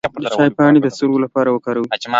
د چای پاڼې د سترګو لپاره وکاروئ